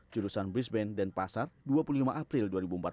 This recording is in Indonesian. jurusan brisbane dan pasar dua puluh lima april dua ribu empat belas